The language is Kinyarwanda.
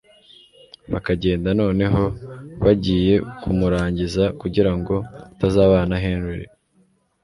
bakagenda noneho bagiye kumurangiza kugira ngo atazabana na Henry